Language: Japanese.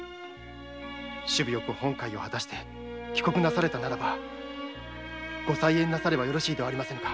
首尾よく本懐を果たして帰国なされたならばご再縁なさればよろしいではありませんか。